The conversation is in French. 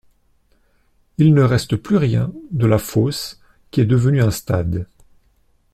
Il ne reste plus rien de la fosse qui est devenue un stade.